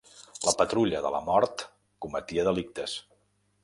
La Patrulla de la Mort cometia delictes.